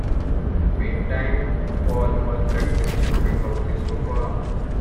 Meantime Paul must practise jumping off the sofa arm.